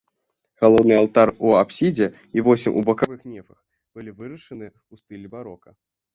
Галоўны алтар у апсідзе і восем у бакавых нефах былі вырашаны ў стылі барока.